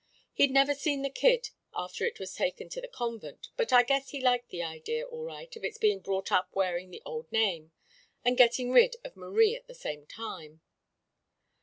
He'd never seen the kid after it was taken to the convent, but I guess he liked the idea, all right, of its being brought up wearing the old name, and gettin' rid of Marie at the same time.